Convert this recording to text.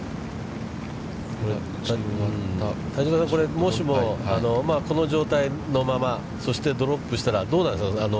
田島さん、これ、もしもこの状態のままそしてドロップしたら、どうなるんですか。